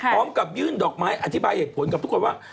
พร้อมกับยื่นดอกไม้อธิบายเหตุผลกับทุกคนว่า